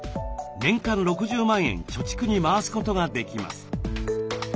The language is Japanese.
年間６０万円貯蓄に回すことができます。